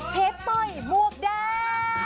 เชฟต้อยมวกแดง